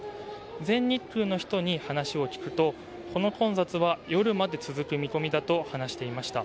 全日空の人に話を聞くと、この混雑は夜まで続く見込みだと話していました。